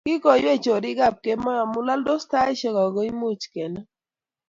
Kikoiwei chorik ab kemoi amu laldos taishek akumuch kenam